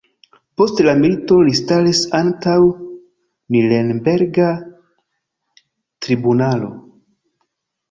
Post la milito li staris antaŭ Nurenberga tribunalo.